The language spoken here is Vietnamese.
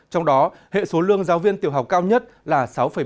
trong đó hệ số lương giáo viên tiểu học cao nhất là sáu bảy mươi tám